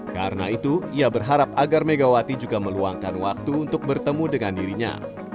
karena itu ia berharap agar megawati juga meluangkan waktu untuk bertemu dengan dirinya